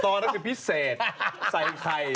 ต่อนั้นคือพิเศษใส่ไข่